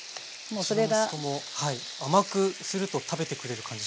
うちの息子も甘くすると食べてくれる感じします。